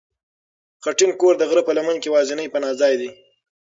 خټین کور د غره په لمن کې یوازینی پناه ځای دی.